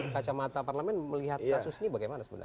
kacamata parlemen melihat kasus ini bagaimana sebenarnya